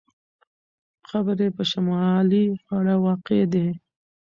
قبر یې په شمالي غاړه واقع دی.